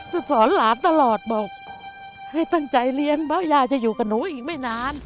จะสอนหลับป์ตลอดบอกให้ตั้งใจเลี้ยงย่ายัจะอยู่กับหนูอีกไม่นาน